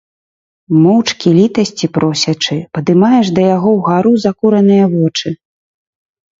Моўчкі літасці просячы, падымаеш да яго ўгару закураныя вочы.